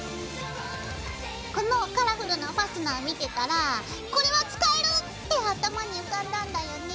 このカラフルなファスナー見てたらこれは使えるって頭に浮かんだんだよね。